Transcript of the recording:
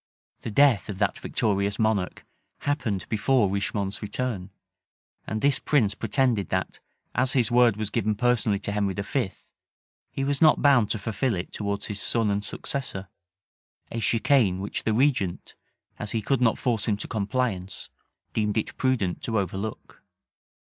The death of that victorious monarch happened before Richemont's return; and this prince pretended that, as his word was given personally to Henry V., he was not bound to fulfil it towards his son and successor; a chicane which the regent, as he could not force him to compliance, deemed it prudent to overlook.